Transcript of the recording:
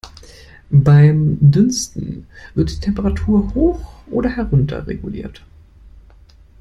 Beim Dünsten wird die Temperatur hoch oder herunterreguliert.